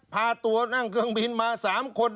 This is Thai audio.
พาตัวนั่งเครื่องบินมา๓คน